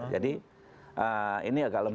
jadi ini agak lemah